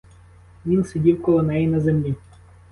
Він сидів коло неї на землі.